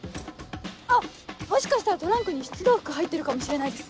あっもしかしたらトランクに出動服入ってるかもしれないです。